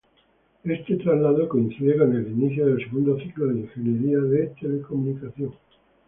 Este traslado coincide con el inicio del segundo ciclo de ingeniería de telecomunicación.